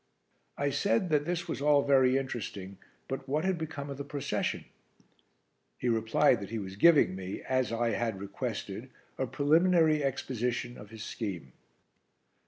I said that this was all very interesting, but what had become of the procession? He replied that he was giving me, as I had requested, a preliminary exposition of his scheme.